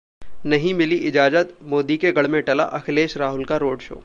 नहीं मिली इजाजत, मोदी के गढ़ में टला अखिलेश-राहुल का रोड शो